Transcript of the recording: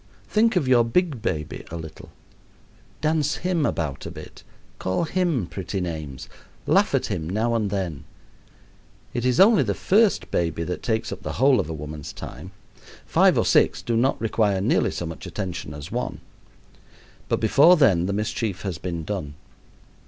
Think of your big baby a little. Dance him about a bit; call him pretty names; laugh at him now and then. It is only the first baby that takes up the whole of a woman's time. Five or six do not require nearly so much attention as one. But before then the mischief has been done.